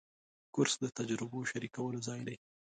کورس د تجربه شریکولو ځای دی.